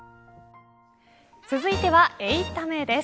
続いては、８タメです。